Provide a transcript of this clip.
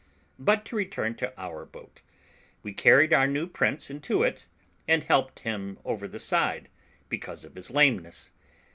But to return to our boat. We carried our new prince into it, and helped him over the side, because of his lameness.